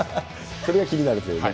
それが気になるというね。